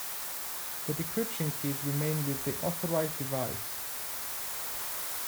The decryption keys remain with the authorized device.